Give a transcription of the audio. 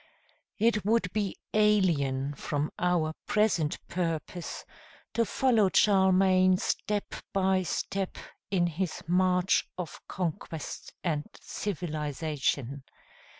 It would be alien from our present purpose to follow Charlemagne step by step in his march of conquest and civilization.